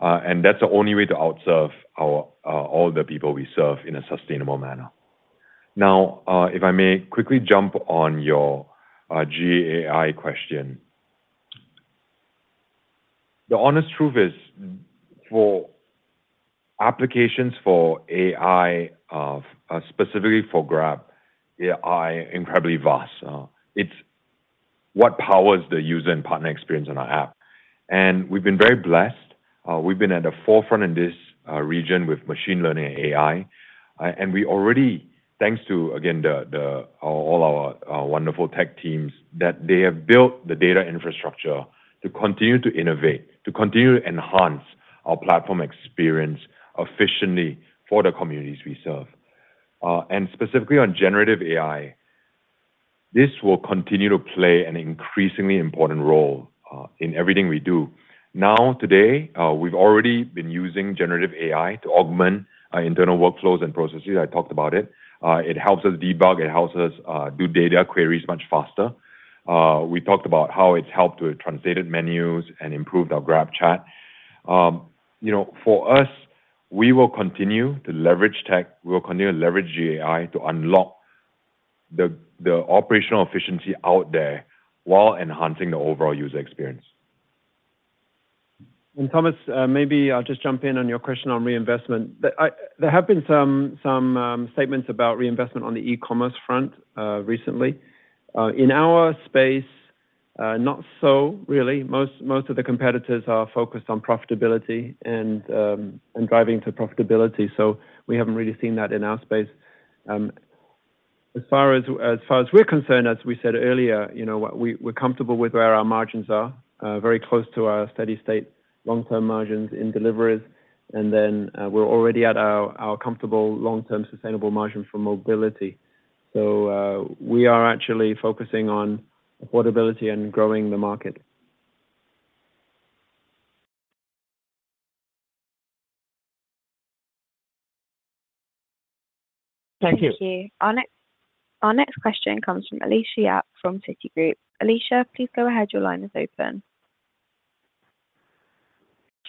That's the only way to outserve our, all the people we serve in a sustainable manner. Now, if I may quickly jump on your, GAI question. The honest truth is, for applications for AI, specifically for Grab AI, incredibly vast. It's what powers the user and partner experience on our app. We've been very blessed. We've been at the forefront in this region with machine learning and AI. We already, thanks to, again, the, the, all, all our wonderful tech teams, that they have built the data infrastructure to continue to innovate, to continue to enhance our platform experience efficiently for the communities we serve. Specifically on generative AI, this will continue to play an increasingly important role in everything we do. Now, today, we've already been using generative AI to augment our internal workflows and processes. I talked about it. It helps us debug. It helps us do data queries much faster. We talked about how it's helped with translated menus and improved our GrabChat. You know, for us, we will continue to leverage tech, we will continue to leverage GAI to unlock the, the operational efficiency out there while enhancing the overall user experience. Thomas, maybe I'll just jump in on your question on reinvestment. There have been some, some statements about reinvestment on the e-commerce front recently. In our space, not so really. Most, most of the competitors are focused on profitability and driving to profitability, so we haven't really seen that in our space. As far as, as far as we're concerned, as we said earlier, you know, we, we're comfortable with where our margins are. Very close to our steady state long-term margins in deliveries, and then we're already at our, our comfortable, long-term sustainable margin for mobility. We are actually focusing on affordability and growing the market. Thank you. Thank you. Our next question comes from Alicia Yap from Citigroup. Alicia, please go ahead. Your line is open.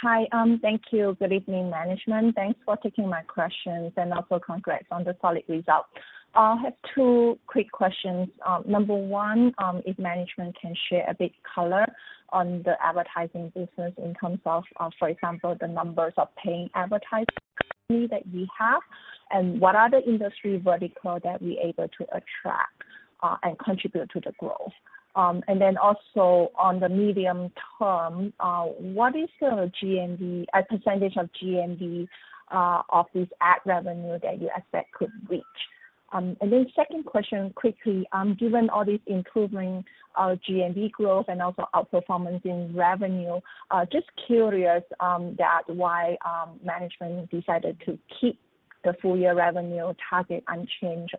Hi. Thank you. Good evening, management. Thanks for taking my questions, and also congrats on the solid results. I have 2 quick questions. number 1, if management can share a bit color on the advertising business in terms of, for example, the numbers of paying advertisers? that we have, and what are the industry vertical that we're able to attract and contribute to the growth? Also on the medium term, what is the GMV, a percentage of GMV, of this ad revenue that you expect could reach? Second question, quickly, given all this improving GMV growth and also outperformance in revenue, just curious that why management decided to keep the full year revenue target unchanged?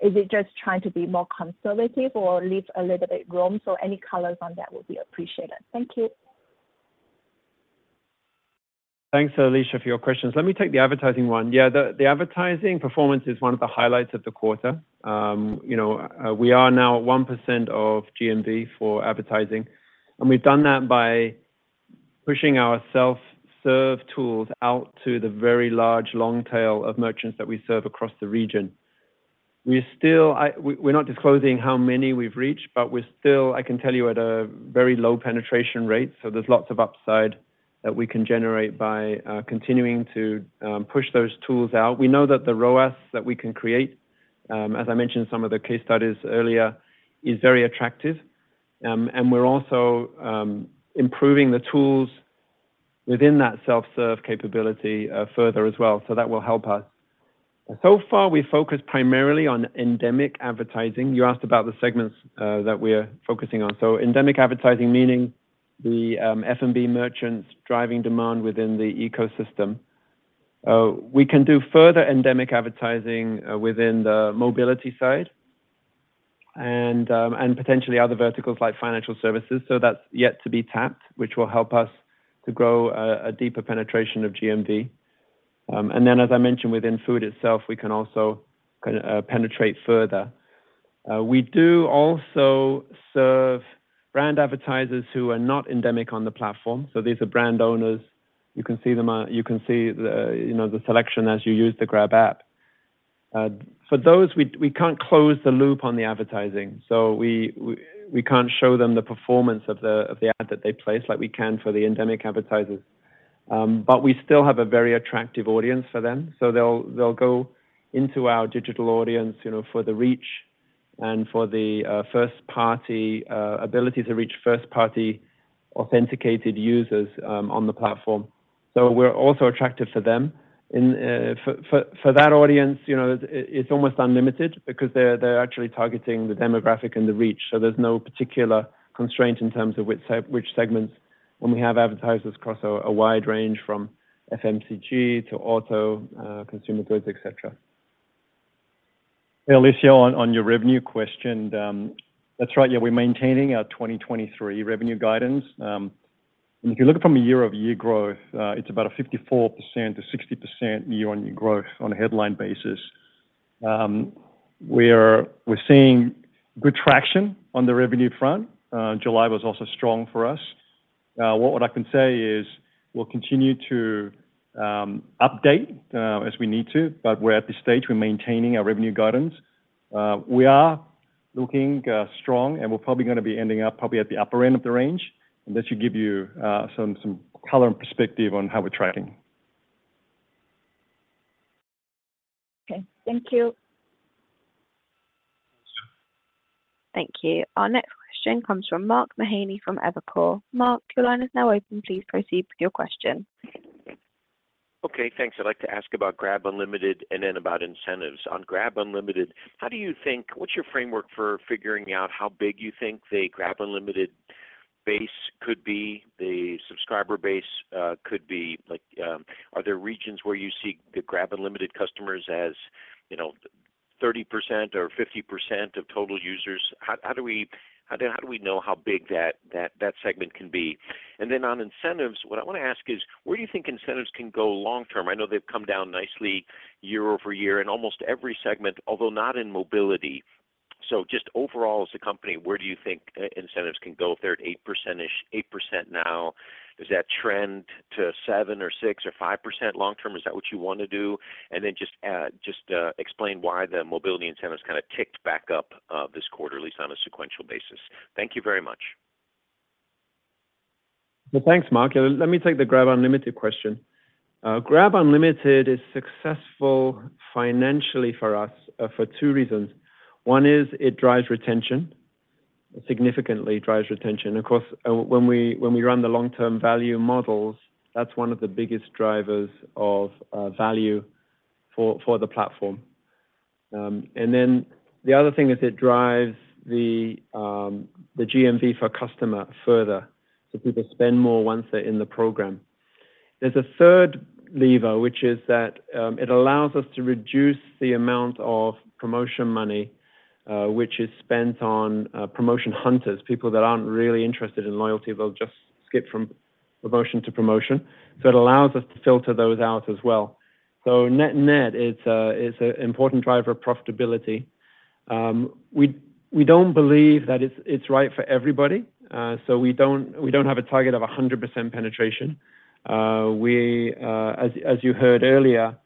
Is it just trying to be more conservative or leave a little bit room? Any colors on that would be appreciated. Thank you. Thanks, Alicia, for your questions. Let me take the advertising one. Yeah, the advertising performance is one of the highlights of the quarter. you know, we are now at 1% of GMV for advertising, and we've done that by pushing our self-serve tools out to the very large, long tail of merchants that we serve across the region. We're still, we're not disclosing how many we've reached, but we're still, I can tell you, at a very low penetration rate, so there's lots of upside that we can generate by continuing to push those tools out. We know that the ROAS that we can create, as I mentioned, some of the case studies earlier, is very attractive. We're also improving the tools within that self-serve capability further as well, so that will help us. So far, we focus primarily on endemic advertising. You asked about the segments that we're focusing on. Endemic advertising, meaning the F&B merchants driving demand within the ecosystem. We can do further endemic advertising within the mobility side and potentially other verticals like financial services. That's yet to be tapped, which will help us to grow a deeper penetration of GMV. Then, as I mentioned, within food itself, we can also penetrate further. We do also serve brand advertisers who are not endemic on the platform. These are brand owners. You can see them, you can see the, you know, the selection as you use the Grab app. For those, we, we can't close the loop on the advertising, so we, we, we can't show them the performance of the, of the ad that they place like we can for the endemic advertisers. We still have a very attractive audience for them. They'll, they'll go into our digital audience, you know, for the reach and for the first-party ability to reach first-party authenticated users on the platform. We're also attractive for them. In for that audience, you know, it, it's almost unlimited because they're, they're actually targeting the demographic and the reach, so there's no particular constraint in terms of which segments, when we have advertisers across a, a wide range from FMCG to auto, consumer goods, et cetera. Alicia, on, on your revenue question, that's right. Yeah, we're maintaining our 2023 revenue guidance. If you look from a year-over-year growth, it's about a 54%-60% year-on-year growth on a headline basis. We're, we're seeing good traction on the revenue front. July was also strong for us. What I can say is we'll continue to update as we need to, but we're at this stage, we're maintaining our revenue guidance. We are looking strong, we're probably gonna be ending up probably at the upper end of the range. That should give you some, some color and perspective on how we're tracking. Okay. Thank you. Thank you. Our next question comes from Mark Mahaney, from Evercore. Mark, your line is now open. Please proceed with your question. Okay, thanks. I'd like to ask about Grab Unlimited and then about incentives. On Grab Unlimited, what's your framework for figuring out how big you think the Grab Unlimited base could be, the subscriber base, could be? Like, are there regions where you see the Grab Unlimited customers as, you know, 30% or 50% of total users? How do we know how big that segment can be? Then on incentives, what I want to ask is, where do you think incentives can go long term? I know they've come down nicely year-over-year in almost every segment, although not in mobility. Just overall as a company, where do you think incentives can go if they're at 8%, 8% now? Does that trend to 7% or 6% or 5% long term? Is that what you want to do? Then just explain why the mobility incentives kinda ticked back up this quarter, at least on a sequential basis. Thank you very much. Well, thanks, Mark. Let me take the Grab Unlimited question. Grab Unlimited is successful financially for us, for two reasons. One is it drives retention, significantly drives retention. Of course, when we, when we run the long-term value models, that's one of the biggest drivers of value for, for the platform. Then the other thing is it drives the GMV for customer further, so people spend more once they're in the program. There's a third lever, which is that, it allows us to reduce the amount of promotion money, which is spent on promotion hunters, people that aren't really interested in loyalty. They'll just skip from promotion to promotion. It allows us to filter those out as well. Net-net, it's an important driver of profitability. We, we don't believe that it's, it's right for everybody, so we don't, we don't have a target of 100% penetration. We, as, as you heard earlier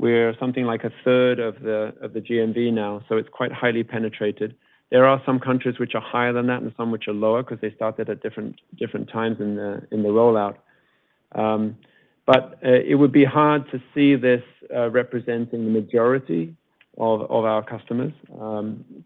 we're something like a third of the, of the GMV now, so it's quite highly penetrated. There are some countries which are higher than that and some which are lower because they started at different, different times in the, in the rollout. It would be hard to see this, representing the majority of, of our customers.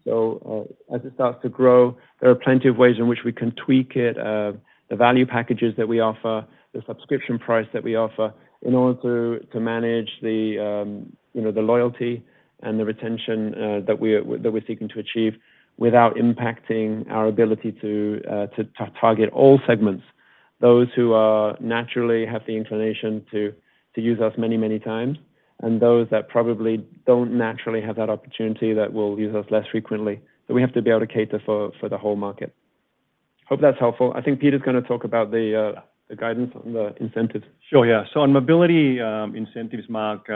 So, as it starts to grow, there are plenty of ways in which we can tweak it, the value packages that we offer, the subscription price that we offer, in order to, to manage the, you know, the loyalty and the retention that we're, that we're seeking to achieve without impacting our ability to, to, to target all segments. Those who naturally have the inclination to, to use us many, many times, and those that probably don't naturally have that opportunity that will use us less frequently. We have to be able to cater for, for the whole market. Hope that's helpful. I think Peter's gonna talk about the guidance on the incentives. Sure, yeah. On mobility incentives, Mark,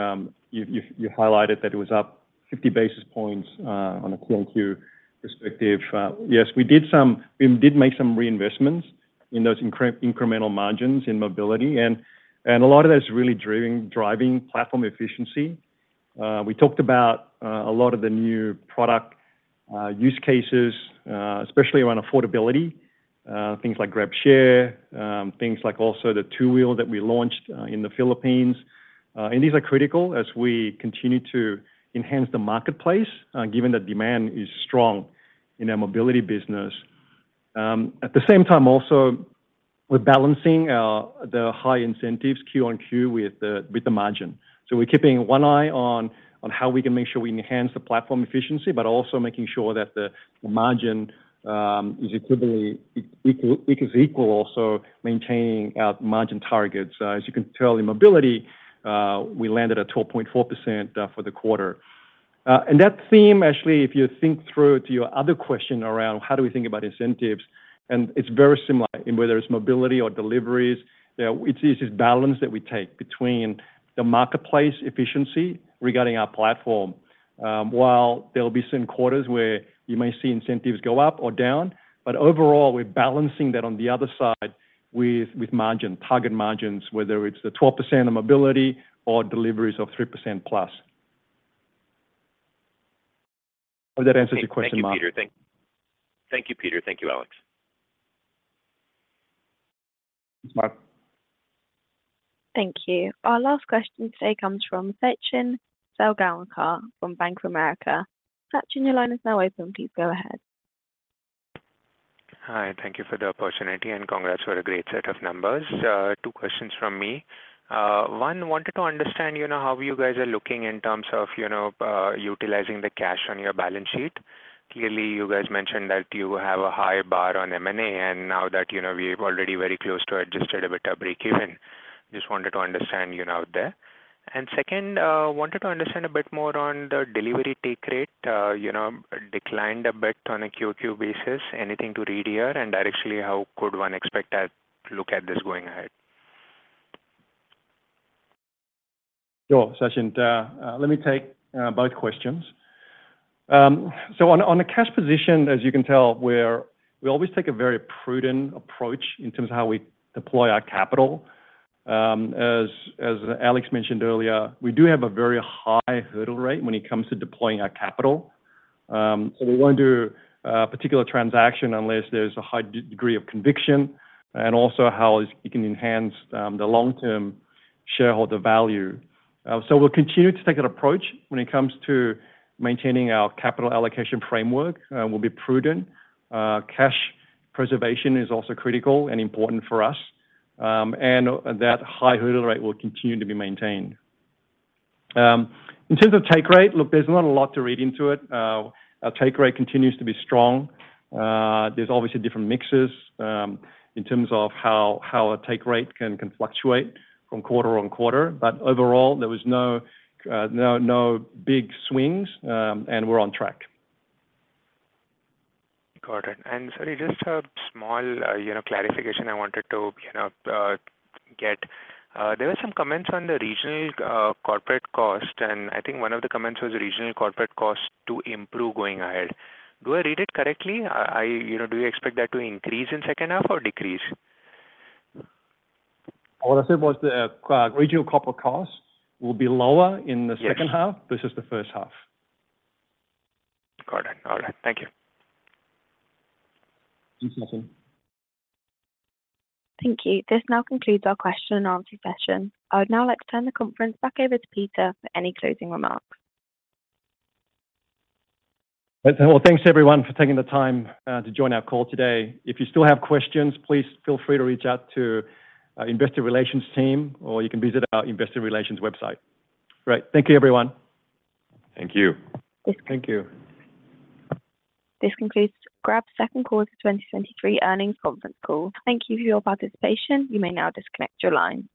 you highlighted that it was up 50 basis points on a Q&Q perspective. Yes, we did make some reinvestments in those incremental margins in mobility, and a lot of that's really driving, driving platform efficiency. We talked about a lot of the new product use cases, especially around affordability, things like GrabShare, things like also the Two Wheel that we launched in the Philippines. And these are critical as we continue to enhance the marketplace, given that demand is strong in our mobility business. At the same time also, we're balancing the high incentives Q on Q with the margin. We're keeping one eye on, on how we can make sure we enhance the platform efficiency, but also making sure that the margin is equally, also maintaining our margin targets. As you can tell, in mobility, we landed at 12.4% for the quarter. That theme, actually, if you think through to your other question around how do we think about incentives, and it's very similar in whether it's mobility or deliveries. It's, it's this balance that we take between the marketplace efficiency regarding our platform, while there will be some quarters where you may see incentives go up or down, but overall, we're balancing that on the other side with, with margin, target margins, whether it's the 12% of mobility or deliveries of 3%+. Hope that answers your question, Mark. Thank you, Peter. Thank you, Peter. Thank you, Alex. Thanks, Mark. Thank you. Our last question today comes from Sachin Salgaonkar from Bank of America. Sachin, your line is now open. Please go ahead. Hi, thank you for the opportunity, and congrats for a great set of numbers. Two questions from me. One, wanted to understand, you know, how you guys are looking in terms of, you know, utilizing the cash on your balance sheet. Clearly, you guys mentioned that you have a high bar on M&A, and now that, you know, we're already very close to adjusted EBITDA breakeven. Just wanted to understand, you know, there. Second, wanted to understand a bit more on the delivery take rate, you know, declined a bit on a QQ basis. Anything to read here, and actually, how could one expect to look at this going ahead? Sure, Sachin. Let me take both questions. So on, on a cash position, as you can tell, we're, we always take a very prudent approach in terms of how we deploy our capital. As, as Alex mentioned earlier, we do have a very high hurdle rate when it comes to deploying our capital. So we won't do a particular transaction unless there's a high degree of conviction and also how it can enhance the long-term shareholder value. So we'll continue to take that approach when it comes to maintaining our capital allocation framework. We'll be prudent. Cash preservation is also critical and important for us, and that high hurdle rate will continue to be maintained. In terms of take rate, look, there's not a lot to read into it. Our take rate continues to be strong. There's obviously different mixes, in terms of how, how a take rate can, can fluctuate from quarter on quarter, but overall, there was no, no, no big swings, and we're on track. Got it. And sorry, just a small, you know, clarification I wanted to, you know, get. There were some comments on the regional corporate cost, and I think one of the comments was regional corporate cost to improve going ahead. Do I read it correctly? You know, do you expect that to increase in second half or decrease? What I said was the regional corporate costs will be lower in. Yes second half versus the first half. Got it. All right. Thank you. Thanks, Sachin. Thank you. This now concludes our question and answer session. I would now like to turn the conference back over to Peter for any closing remarks. Well, thanks, everyone, for taking the time, to join our call today. If you still have questions, please feel free to reach out to our investor relations team, or you can visit our investor relations website. Great. Thank you, everyone. Thank you. Thank you. This concludes Grab's second quarter 2023 earnings conference call. Thank you for your participation. You may now disconnect your line.